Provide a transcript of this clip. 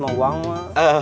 mau uang pak